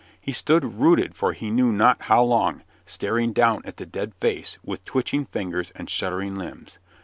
He stood rooted for he knew not how long, staring down at the dead face with twitching fingers and shuddering limbs.